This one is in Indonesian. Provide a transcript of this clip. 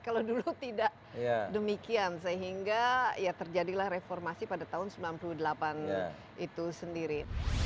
kalau dulu tidak demikian sehingga ya terjadilah reformasi pada tahun seribu sembilan ratus sembilan puluh delapan itu sendiri